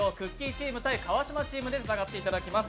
チーム対川島チームで対決していただきます。